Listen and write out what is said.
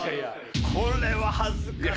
これは恥ずかしい。